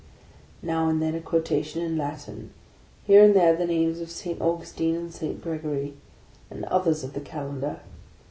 Now and then a quotation in Latin ; here and there the names of Saint Augustine and Saint Gregory, and others of the Calendar.